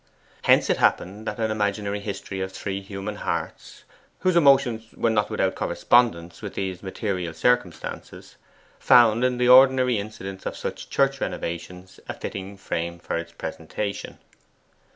Hence it happened that an imaginary history of three human hearts, whose emotions were not without correspondence with these material circumstances, found in the ordinary incidents of such church renovations a fitting frame for its presentation.